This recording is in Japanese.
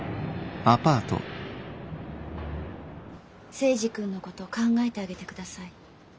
征二君のこと考えてあげてください。